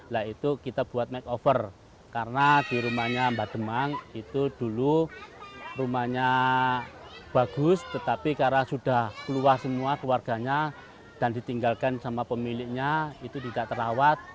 nah itu kita buat make over karena di rumahnya mbak demang itu dulu rumahnya bagus tetapi karena sudah keluar semua keluarganya dan ditinggalkan sama pemiliknya itu tidak terawat